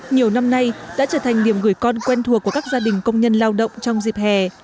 nhiều năm nay đã trở thành điểm gửi con quen thuộc của các gia đình công nhân lao động trong dịp hè